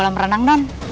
dia tak ada pengertian